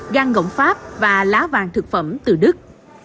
gan gỗng pháp và lá vàng thực phẩm từ đức